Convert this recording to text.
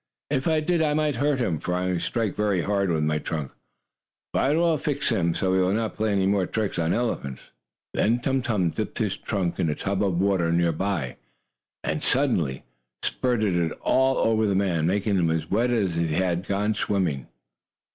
"If I did, I might hurt him, for I strike very hard with my trunk. But I will fix him, so he will not play any more tricks on elephants." Then Tum Tum dipped his trunk in a tub of water near by, and, suddenly, spurted it all over the man, making him as wet as if he had gone in swimming.